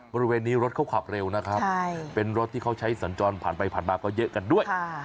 บริเวณนี้รถเขาขับเร็วนะครับเป็นรถที่เขาใช้สัญจรผ่านไปผ่านมาก็เยอะกันด้วย